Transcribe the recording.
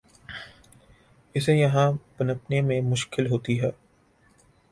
اسے یہاں پنپنے میں مشکل ہوتی ہے۔